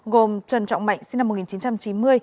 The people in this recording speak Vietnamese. gồm trần trọng mạnh sinh năm một nghìn chín trăm chín mươi